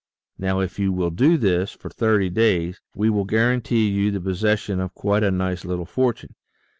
Now if you will do this for thirty days we will guarantee you the pos session of quite a nice little fortune.